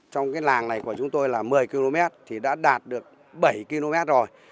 trong cái làng này của chúng tôi là một mươi km thì đã đạt được bảy km rồi